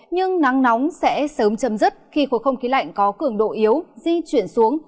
nhưng nắng nóng sẽ sớm chấm dứt khi khối không khí lạnh có cường độ yếu di chuyển xuống